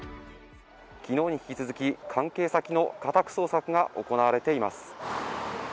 昨日に引き続き、関係先の家宅捜索が行われています。